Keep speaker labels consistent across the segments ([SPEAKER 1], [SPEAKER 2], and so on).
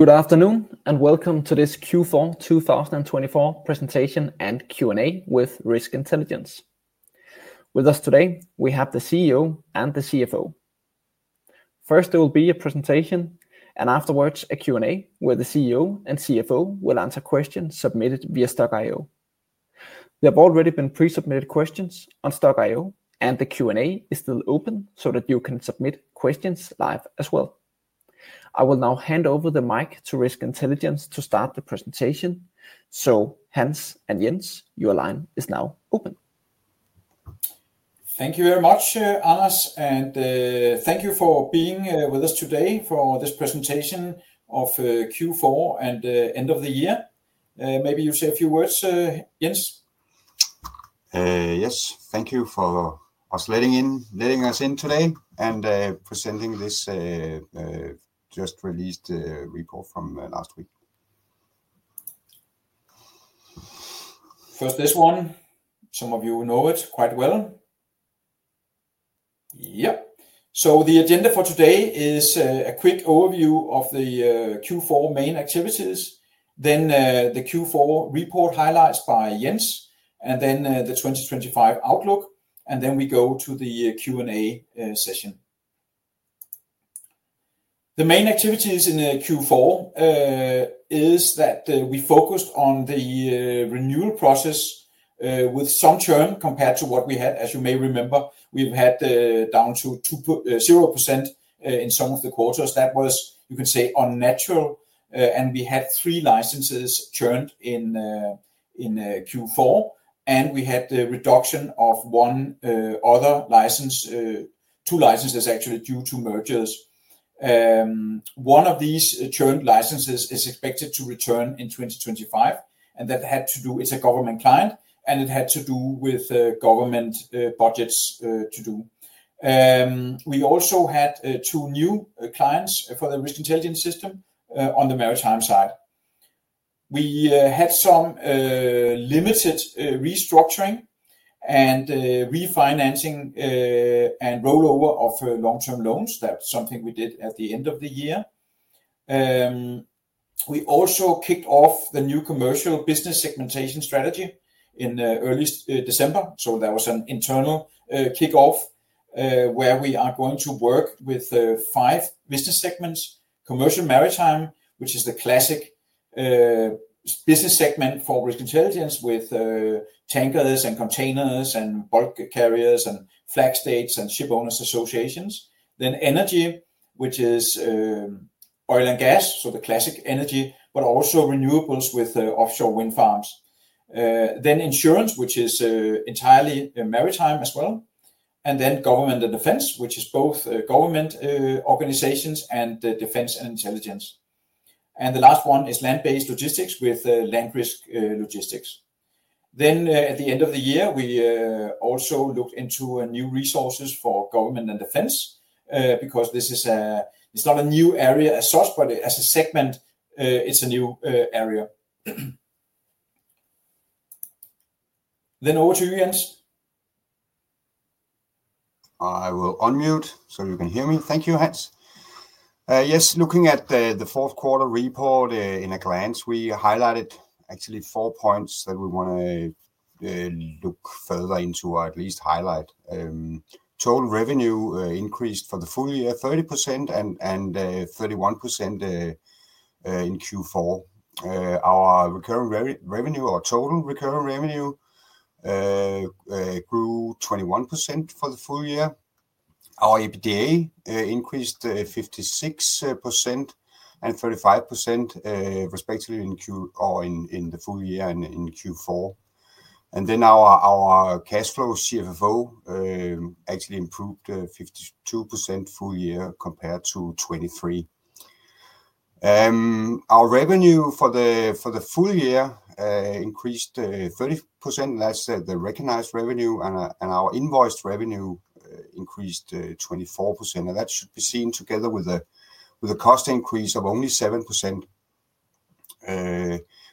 [SPEAKER 1] Good afternoon and welcome to this Q4 2024 Presentation and Q&A with Risk Intelligence. With us today, we have the CEO and the CFO. First, there will be a presentation and afterwards a Q&A where the CEO and CFO will answer questions submitted via Stokk.io. There have already been pre-submitted questions on Stokk.io, and the Q&A is still open so that you can submit questions live as well. I will now hand over the mic to Risk Intelligence to start the presentation. Hans and Jens, your line is now open.
[SPEAKER 2] Thank you very much, Hans, and thank you for being with us today for this presentation of Q4 and end of the year. Maybe you say a few words, Jens.
[SPEAKER 3] Yes, thank you for letting us in today and presenting this just released report from last week.
[SPEAKER 2] First, this one. Some of you know it quite well. Yep. The agenda for today is a quick overview of the Q4 main activities, then the Q4 report highlights by Jens, and then the 2025 outlook, and then we go to the Q&A session. The main activities in Q4 is that we focused on the renewal process with some churn compared to what we had. As you may remember, we've had down to 0% in some of the quarters. That was, you can say, unnatural. We had three licenses churned in Q4, and we had the reduction of one other license, two licenses actually, due to mergers. One of these churned licenses is expected to return in 2025, and that had to do, it's a government client, and it had to do with government budgets to do. We also had two new clients for the Risk Intelligence System on the maritime side. We had some limited restructuring and refinancing and rollover of long-term loans. That is something we did at the end of the year. We also kicked off the new commercial business segmentation strategy in early December. That was an internal kickoff where we are going to work with five business segments: commercial maritime, which is the classic business segment for Risk Intelligence with tankers and containers and bulk carriers and flag states and shipowners associations; energy, which is oil and gas, so the classic energy, but also renewables with offshore wind farms; insurance, which is entirely maritime as well; government and defense, which is both government organizations and defense and intelligence; and the last one is land-based logistics with LandRisk Logistics. At the end of the year, we also looked into new resources for government and defense because this is not a new area as such, but as a segment, it's a new area. Over to you, Jens.
[SPEAKER 3] I will unmute so you can hear me. Thank you, Hans. Yes, looking at the fourth quarter report in a glance, we highlighted actually four points that we want to look further into or at least highlight. Total revenue increased for the full year 30% and 31% in Q4. Our recurring revenue or total recurring revenue grew 21% for the full year. Our EBITDA increased 56% and 35% respectively in Q or in the full year and in Q4. Our cash flow CFFO actually improved 52% full year compared to 2023. Our revenue for the full year increased 30%, that's the recognized revenue, and our invoiced revenue increased 24%. That should be seen together with a cost increase of only 7%,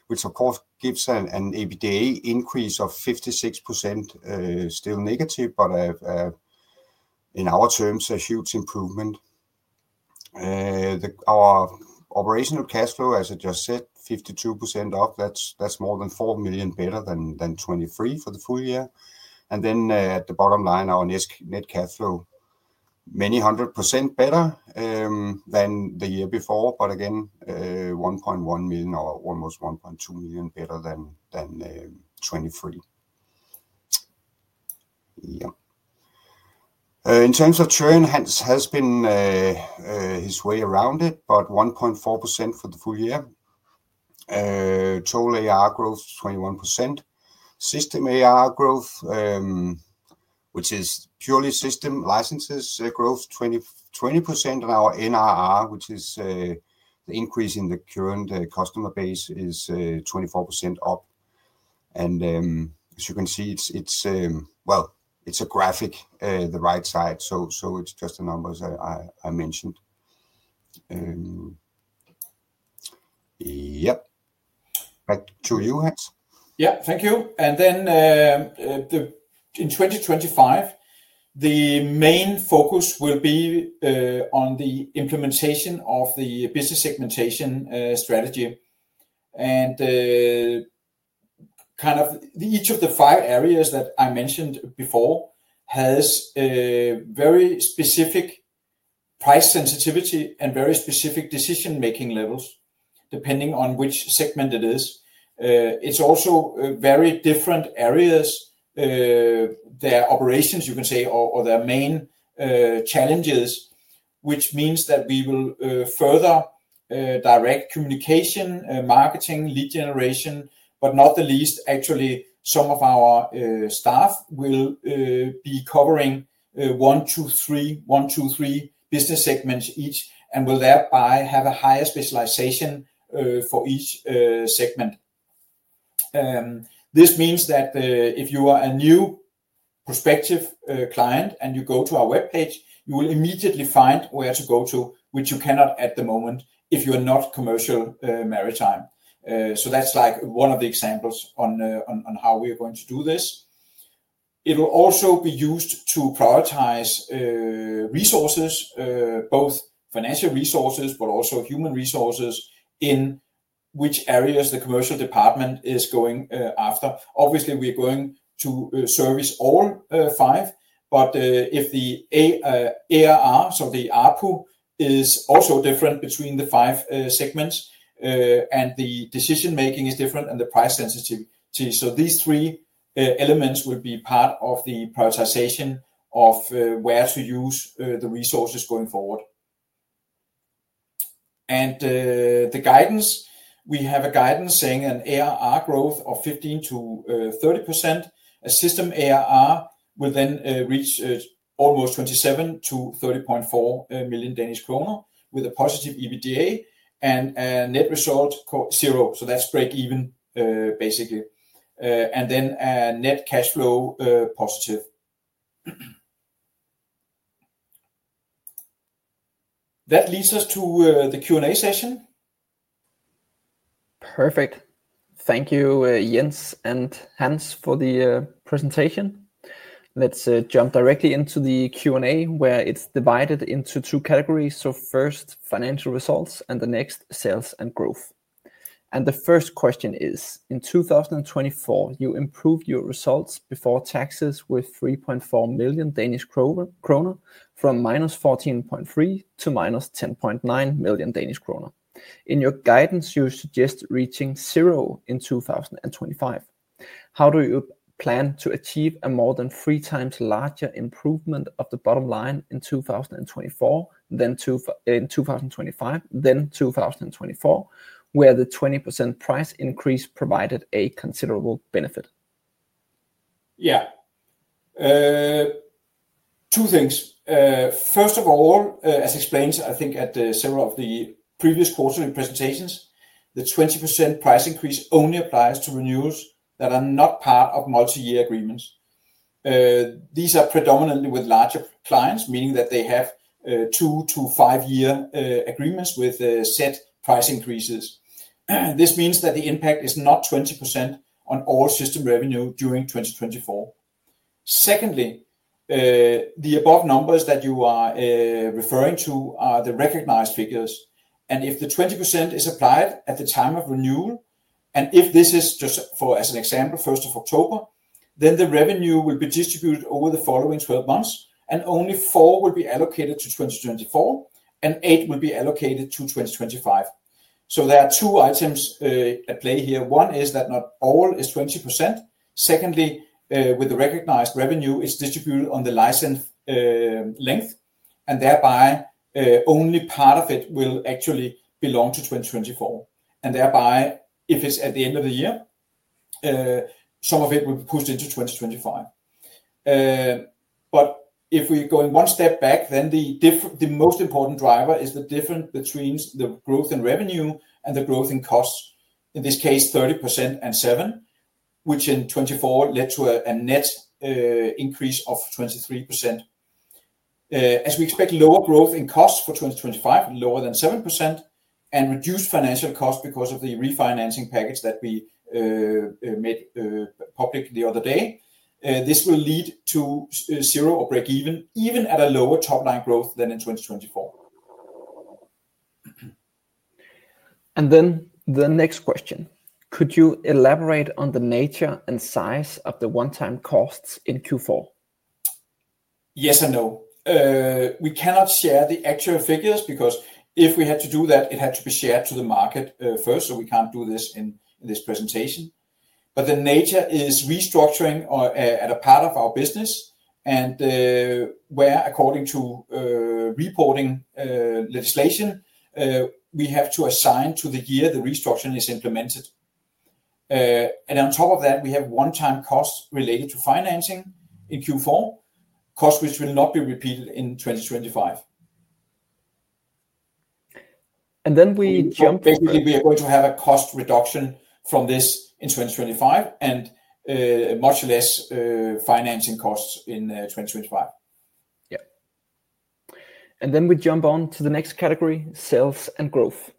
[SPEAKER 3] which of course gives an EBITDA increase of 56%, still negative, but in our terms, a huge improvement. Our operational cash flow, as I just said, 52% up, that's more than 4 million better than 2023 for the full year. At the bottom line, our net cash flow, many hundred percent better than the year before, but again, 1.1 million or almost 1.2 million better than 2023. In terms of churn, Hans has been his way around it, but 1.4% for the full year. Total ARR growth 21%. System ARR growth, which is purely system licenses, growth 20%, and our NRR, which is the increase in the current customer base, is 24% up. As you can see, it's, well, it's a graphic, the right side. It's just the numbers I mentioned. Yep. Back to you, Hans.
[SPEAKER 2] Yeah, thank you. In 2025, the main focus will be on the implementation of the business segmentation strategy. Each of the five areas that I mentioned before has very specific price sensitivity and very specific decision-making levels depending on which segment it is. It is also very different areas, their operations, you can say, or their main challenges, which means that we will further direct communication, marketing, lead generation, but not the least, actually, some of our staff will be covering one, two, three, one, two, three business segments each and will thereby have a higher specialization for each segment. This means that if you are a new prospective client and you go to our webpage, you will immediately find where to go to, which you cannot at the moment if you are not commercial maritime. That is like one of the examples on how we are going to do this. It will also be used to prioritize resources, both financial resources, but also human resources in which areas the commercial department is going after. Obviously, we are going to service all five, but if the ARR, so the ARPU, is also different between the five segments and the decision-making is different and the price sensitivity, these three elements will be part of the prioritization of where to use the resources going forward. The guidance, we have a guidance saying an ARR growth of 15%-30%. A system ARR will then reach almost 27 million-30.4 million Danish kroner with a positive EBITDA and a net result zero. That is break-even, basically. Net cash flow positive. That leads us to the Q&A session.
[SPEAKER 1] Perfect. Thank you, Jens and Hans, for the presentation. Let's jump directly into the Q&A where it is divided into two categories. First, financial results, and next, sales and growth. The first question is, in 2024, you improved your results before taxes with 3.4 million Danish kroner from minus 14.3 million to minus 10.9 million Danish kroner. In your guidance, you suggest reaching zero in 2025. How do you plan to achieve a more than three times larger improvement of the bottom line in 2025 than 2024, where the 20% price increase provided a considerable benefit?
[SPEAKER 2] Yeah. Two things. First of all, as explained, I think at several of the previous quarterly presentations, the 20% price increase only applies to renewals that are not part of multi-year agreements. These are predominantly with larger clients, meaning that they have two- to five-year agreements with set price increases. This means that the impact is not 20% on all system revenue during 2024. Secondly, the above numbers that you are referring to are the recognized figures. If the 20% is applied at the time of renewal, and if this is just for, as an example, 1st of October, then the revenue will be distributed over the following 12 months, and only four will be allocated to 2024, and eight will be allocated to 2025. There are two items at play here. One is that not all is 20%. Secondly, with the recognized revenue, it is distributed on the license length, and thereby only part of it will actually belong to 2024. Thereby, if it is at the end of the year, some of it will be pushed into 2025. If we go one step back, the most important driver is the difference between the growth in revenue and the growth in costs, in this case, 30% and 7%, which in 2024 led to a net increase of 23%. As we expect lower growth in costs for 2025, lower than 7%, and reduced financial costs because of the refinancing package that we made public the other day, this will lead to zero or break-even, even at a lower top-line growth than in 2024.
[SPEAKER 1] Could you elaborate on the nature and size of the one-time costs in Q4?
[SPEAKER 2] Yes and no. We cannot share the actual figures because if we had to do that, it had to be shared to the market first, so we can't do this in this presentation. The nature is restructuring at a part of our business, and where, according to reporting legislation, we have to assign to the year the restructuring is implemented. On top of that, we have one-time costs related to financing in Q4, costs which will not be repeated in 2025.
[SPEAKER 1] Then we jump.
[SPEAKER 2] Basically, we are going to have a cost reduction from this in 2025 and much less financing costs in 2025.
[SPEAKER 1] Yeah. We jump on to the next category, sales and growth.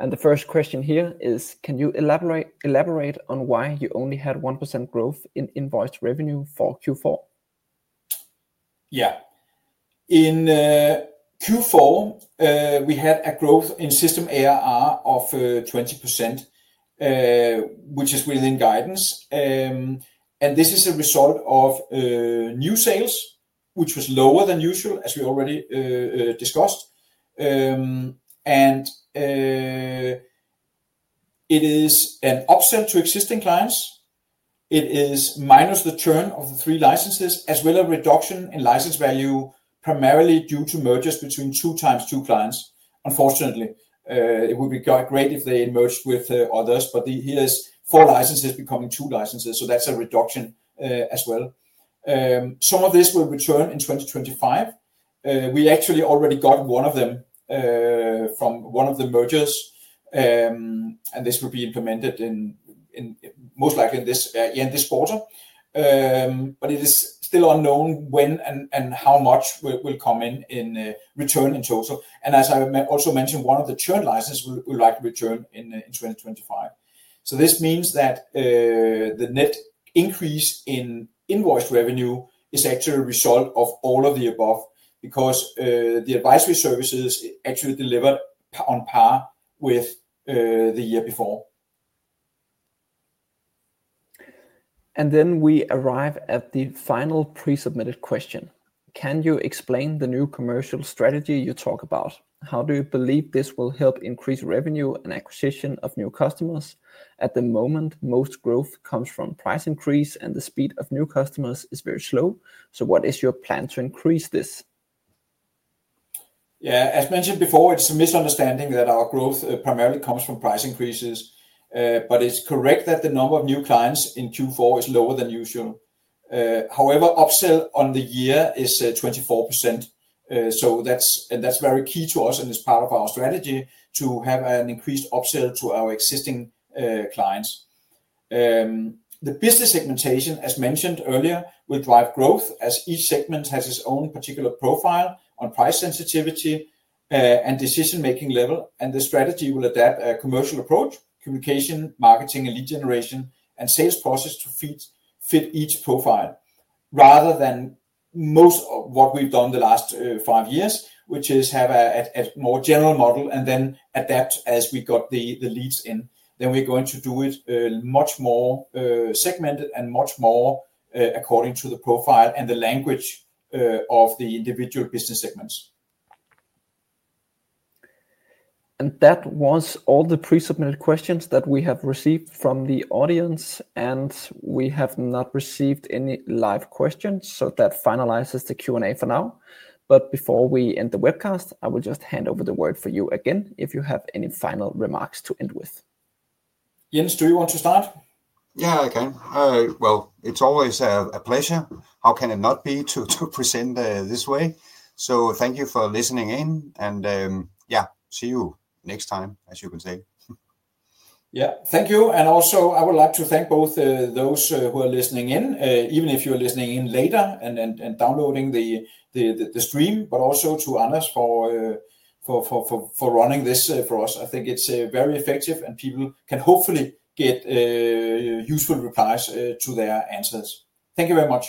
[SPEAKER 1] The first question here is, can you elaborate on why you only had 1% growth in invoiced revenue for Q4?
[SPEAKER 2] Yeah. In Q4, we had a growth in system ARR of 20%, which is within guidance. This is a result of new sales, which was lower than usual, as we already discussed. It is an upsell to existing clients. It is minus the churn of the three licenses, as well as a reduction in license value, primarily due to mergers between two times two clients. Unfortunately, it would be great if they merged with others, but here is four licenses becoming two licenses, so that is a reduction as well. Some of this will return in 2025. We actually already got one of them from one of the mergers, and this will be implemented most likely in this quarter. It is still unknown when and how much will come in return in total. As I also mentioned, one of the churn licenses will likely return in 2025. This means that the net increase in invoiced revenue is actually a result of all of the above because the advisory services actually delivered on par with the year before.
[SPEAKER 1] We arrive at the final pre-submitted question. Can you explain the new commercial strategy you talk about? How do you believe this will help increase revenue and acquisition of new customers? At the moment, most growth comes from price increase, and the speed of new customers is very slow. What is your plan to increase this?
[SPEAKER 2] Yeah, as mentioned before, it's a misunderstanding that our growth primarily comes from price increases, but it's correct that the number of new clients in Q4 is lower than usual. However, upsell on the year is 24%. That's very key to us, and it's part of our strategy to have an increased upsell to our existing clients. The business segmentation, as mentioned earlier, will drive growth as each segment has its own particular profile on price sensitivity and decision-making level, and the strategy will adapt a commercial approach, communication, marketing, and lead generation and sales process to fit each profile rather than most of what we've done the last five years, which is have a more general model and then adapt as we got the leads in. We are going to do it much more segmented and much more according to the profile and the language of the individual business segments.
[SPEAKER 1] That was all the pre-submitted questions that we have received from the audience, and we have not received any live questions, so that finalizes the Q&A for now. Before we end the webcast, I will just hand over the word for you again if you have any final remarks to end with.
[SPEAKER 2] Jens, do you want to start?
[SPEAKER 3] Yeah, I can. It is always a pleasure. How can it not be to present this way? Thank you for listening in, and yeah, see you next time, as you can say.
[SPEAKER 2] Yeah, thank you. I would like to thank both those who are listening in, even if you're listening in later and downloading the stream, but also to Hans for running this for us. I think it's very effective, and people can hopefully get useful replies to their answers. Thank you very much.